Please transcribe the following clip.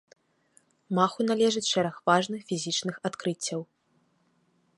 Маху належыць шэраг важных фізічных адкрыццяў.